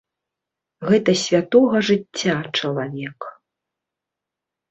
Гэта святога жыцця чалавек.